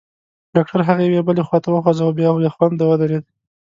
ډاکټر هغه یوې او بلې خواته وخوځاوه، بیا بېخونده ودرېد.